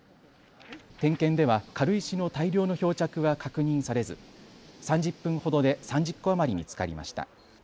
点検では軽石の大量の漂着は確認されず３０分ほどで３０個余り見つかりました。